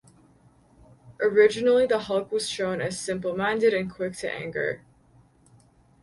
Originally, the Hulk was shown as simple minded and quick to anger.